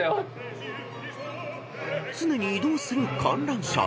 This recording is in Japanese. ［常に移動する観覧車。